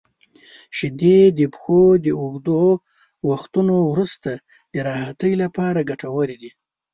• شیدې د پښو د اوږدو وختونو وروسته د راحتۍ لپاره ګټورې دي.